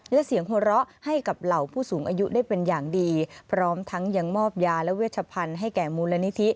และเสียงหัวเราะให้กับเหล่าผู้สูงอายุได้เป็นอย่างดีพร้อมทั้งยังมอบยาและเวชพันธุ์ให้แก่มูลนิธิ